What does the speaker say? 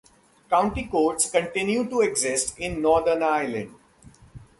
County courts continue to exist in Northern Ireland.